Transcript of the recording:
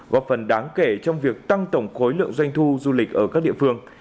góp phần đáng kể trong việc tăng tổng khối lượng doanh thu du lịch ở các địa phương